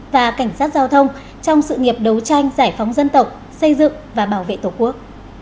và cảnh sát giao thông trong sự nghiệp đấu tranh giải phóng dân tộc xây dựng và bảo vệ tổ quốc